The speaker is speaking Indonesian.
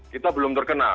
kita belum terkena